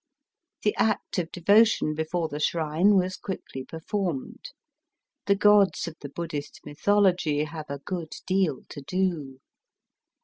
The act of devotion before the shrine was quickly performed, ^he gods of the Buddhist mytho logy have a good deal to do.